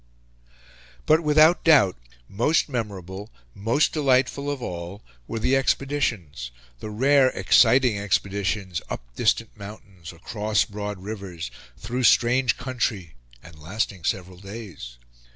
But, without doubt, most memorable, most delightful of all were the expeditions the rare, exciting expeditions up distant mountains, across broad rivers, through strange country, and lasting several days.